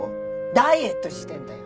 ダイエットしてんだよ。